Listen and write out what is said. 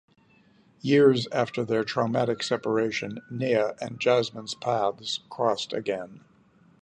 Years after their traumatic separation, Nea and Jasmin's paths cross again.